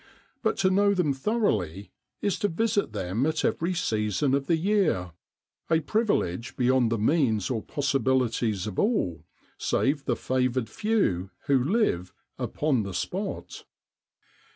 But to know them thoroughly is to visit them at every season of the year a privilege beyond the means or possibilities of all save the favoured few who live ' upon the spot.'